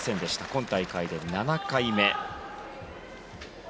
今大会で７回目。